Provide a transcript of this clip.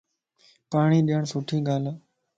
پاڻين ڏين سٽي ڳال ا